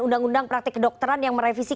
undang undang praktik kedokteran yang merevisi